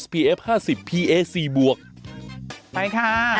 ไปค่ะ